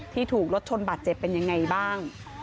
ที่ถูกรถชนบาดเจ็บเป็นยังไงบ้าง